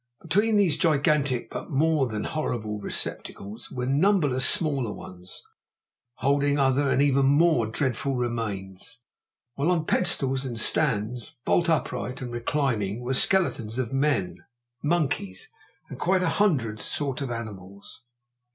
Between these gigantic but more than horrible receptacles were numberless smaller ones, holding other and even more dreadful remains; while on pedestals and stands, bolt upright and reclining, were skeletons of men, monkeys, and quite a hundred sorts of animals.